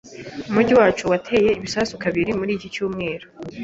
Umujyi wacu watewe ibisasu kabiri muri iki cyumweru.